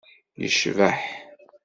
yecbeḥ.